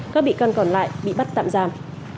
các bị can còn lại bị bắt tạm giam